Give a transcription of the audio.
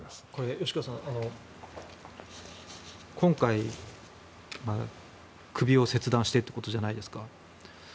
吉川さん、今回首を切断してということじゃないですか。